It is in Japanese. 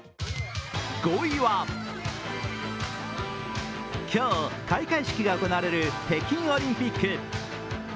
５位は、今日、開会式が行われる北京オリンピック。